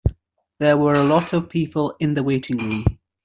There were a lot of people in the waiting room.